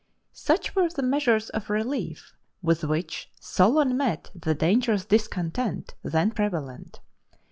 Such were the measures of relief with which Solon met the dangerous discontent then prevalent.